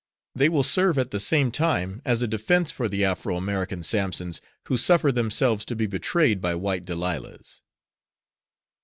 They will serve at the same time as a defense for the Afro Americans Sampsons who suffer themselves to be betrayed by white Delilahs.